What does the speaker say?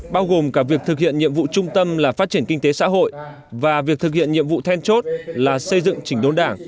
bao gồm cả việc thực hiện nhiệm vụ trung tâm là phát triển kinh tế xã hội và việc thực hiện nhiệm vụ then chốt là xây dựng chỉnh đốn đảng